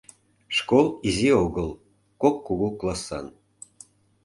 Школ изи огыл, кок кугу классан.